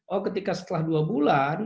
oh ketika setelah dua bulan